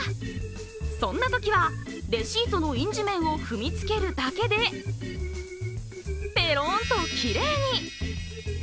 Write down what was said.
そんなときは、レシートの印字面を踏みつけるだけでペロンときれいに。